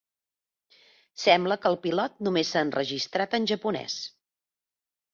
Sembla que el pilot només s'ha enregistrat en japonès.